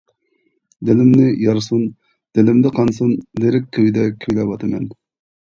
دىلىمنى يارسۇن دىلىمدا قانسۇن لىرىك كۈيدە كۈيلەۋاتىمەن.